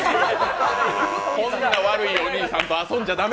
こんな悪いお兄さんと遊んじゃだめ！